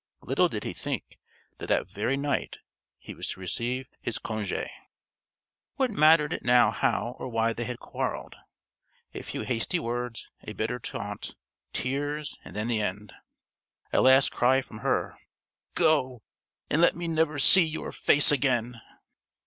Little did he think that that very night he was to receive his congé! What mattered it now how or why they had quarrelled? A few hasty words, a bitter taunt, tears, and then the end. A last cry from her, "Go, and let me never see your face again!"